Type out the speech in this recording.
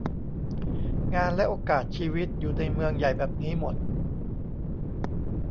งานและโอกาสชีวิตอยู่ในเมืองใหญ่แบบนี้หมด